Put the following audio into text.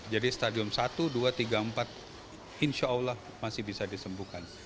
jadi stadium satu dua tiga empat insya allah masih bisa disembuhkan